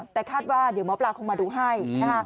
แต่คาดว่าเดี๋ยวหมอปลาคงมาดูให้นะคะ